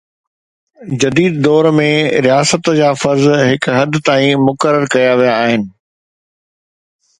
جديد دور ۾ رياست جا فرض هڪ حد تائين مقرر ڪيا ويا آهن.